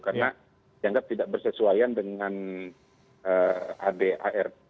karena dianggap tidak bersesuaian dengan adar